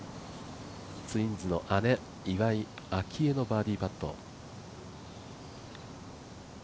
ツインズの姉・岩井明愛のバーディーパット。